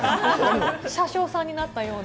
車掌さんになったような。